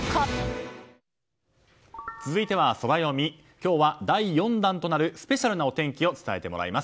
今日は、第４弾となるスペシャルなお天気を伝えてもらいます。